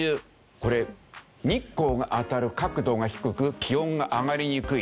これ日光が当たる角度が低く気温が上がりにくい。